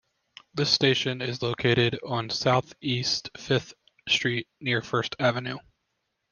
This station is located on Southeast Fifth Street near First Avenue.